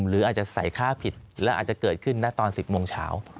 หรืออาจจะใส่ค่าผิดและอาจจะเกิดขึ้นนะตอน๑๐โมงเช้า